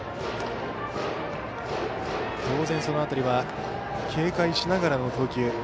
当然その辺りは警戒しながらの投球。